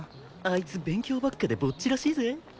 あいつ勉強ばっかでぼっちらしいぜ。